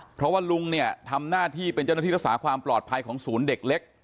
เพราะว่าลุงเนี่ยทำหน้าที่เป็นเจ้าหน้าที่รักษาความปลอดภัยของศูนย์เด็กเล็ก